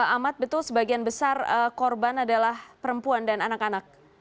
ahmad betul sebagian besar korban adalah perempuan dan anak anak